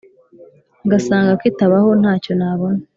ngasanga kitabaho ntacyo nabona,